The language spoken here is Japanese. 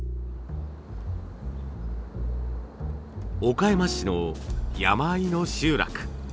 岡山市の山あいの集落。